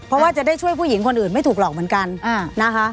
เพราะว่าจะได้ช่วยผู้หญิงคนอื่นไม่ถูกหลอกเหมือนกันนะคะ